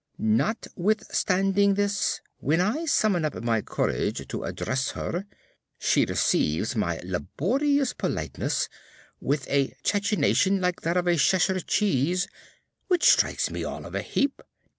Notwithstanding this, when I summon up my courage to address her, she receives my laborious politeness with a cachinnation like that of a Cheshire cheese, which strikes me all of a heap.